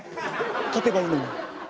勝てばいいのに。